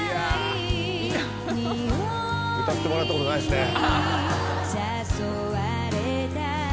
歌ってもらったことないですね。